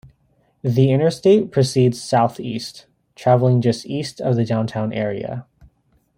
The Interstate proceeds southeast, traveling just east of the downtown area.